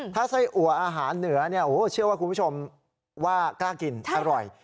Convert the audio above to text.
ถ้าไส้อัวอาหารเหนือเชื่อว่าคุณผู้ชมว่ากล้ากินอร่อย